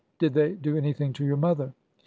'' Did they do anything to your mother ?